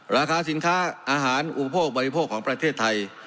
ราคาสินค้าอาหารอุปโภคบริโภคของประเทศไทย